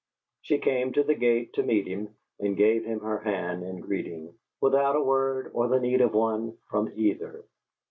She came to the gate to meet him, and gave him her hand in greeting, without a word or the need of one from either.